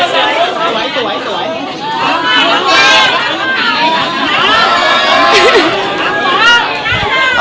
สวยสวย